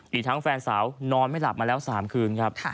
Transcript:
อีกทั้งแฟนสาวนอนไม่หลับมาแล้ว๓คืนครับ